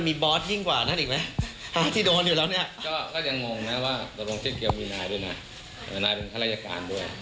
มีอะไรเราก็ปรึกษากันนะครับ